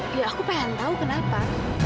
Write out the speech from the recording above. ya aku pengen tau kenapa